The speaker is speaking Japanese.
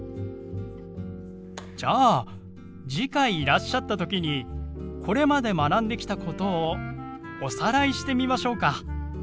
じゃあ次回いらっしゃった時にこれまで学んできたことをおさらいしてみましょうか？